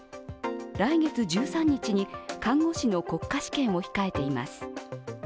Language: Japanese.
来月１３日に看護師の国家試験を控えています。